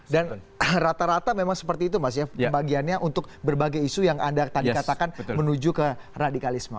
dan rata rata memang seperti itu mas ya bagiannya untuk berbagai isu yang anda tadi katakan menuju ke radikalisme